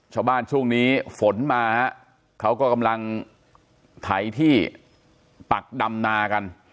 ช่วงนี้ฝนมาฮะเขาก็กำลังไถที่ปักดำนากัน